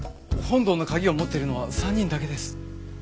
本堂の鍵を持ってるのは３人だけです。